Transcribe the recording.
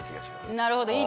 なるほど。